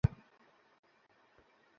এখন সেলফি নিলে কেমন হবে, সোনা?